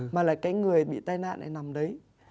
mà là cái người bị tai nạn này nằm đấy